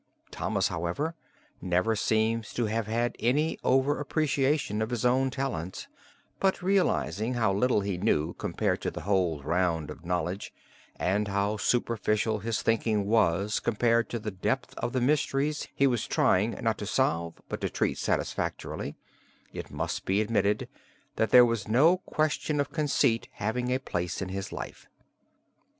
Thomas, however, never seems to have had any over appreciation of his own talents, but, realizing how little he knew compared to the whole round of knowledge, and how superficial his thinking was compared to the depth of the mysteries he was trying, not to solve but to treat satisfactorily, it must be admitted that there was no question of conceit having a place in his life.